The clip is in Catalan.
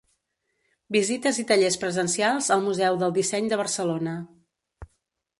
Visites i tallers presencials al Museu del Disseny de Barcelona.